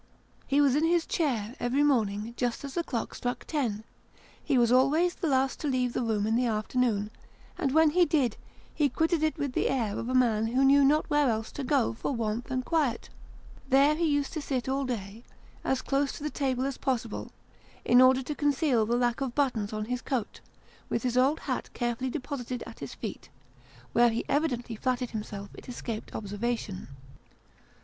He was in his chair, every morning, just as the clock struck ten ; he was always the last to leave the room in the afternoon ; and when he did, he quitted it with the air of a man who knew not where else to go, for warmth and quiet. There he used to sit all day, as close to the table as possible, in order to conceal the lack of buttons on his coat : with his old hat carefully deposited at his feet, where he evidently flattered himself it escaped observation.